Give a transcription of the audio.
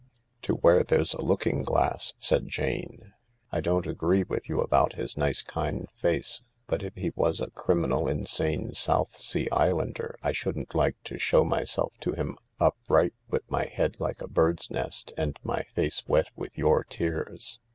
" To where there's a looking glass," said Jane. " I don't 64 THE LARK agree with you about his nice, kind face, but if he was a criminal insane South Sea Islander I shouldn't like to show myself to him, upright, with my head like a bird's nest and my face wet with your tears.